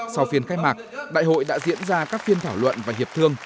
sau phiên khai mạc đại hội đã diễn ra các phiên thảo luận và hiệp thương